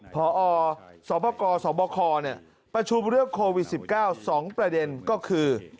พอสบกสบคประชุมเรื่องโควิด๑๙๒ประเด็นก็คือ